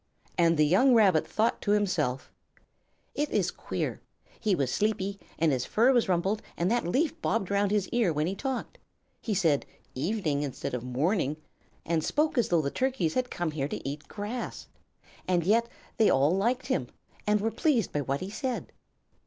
And the young Rabbit thought to himself: "It is queer. He was sleepy and his fur was rumpled, and that leaf bobbed around his ear when he talked. He said 'evening' instead of 'morning,' and spoke as though Turkeys came here to eat grass. And yet they all liked him, and were pleased by what he said."